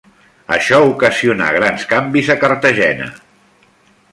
Això ocasionà grans canvis a Cartagena.